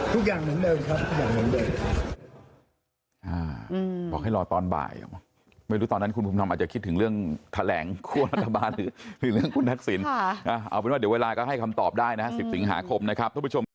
ทุกอย่างเหมือนเดิมครับทุกอย่างเหมือนเดิม